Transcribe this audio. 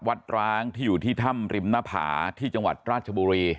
ร้างที่อยู่ที่ถ้ำริมหน้าผาที่จังหวัดราชบุรี